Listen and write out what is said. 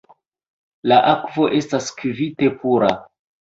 La akvo estas kvite pura.